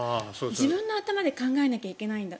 自分の頭で考えなきゃいけないんだ。